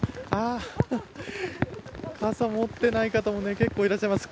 傘持ってない方、結構いらっしゃいます。